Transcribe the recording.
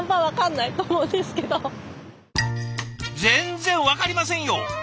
全然分かりませんよ。